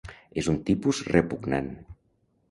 És un tipus repugnant.